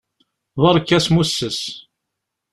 Beṛka asmusses!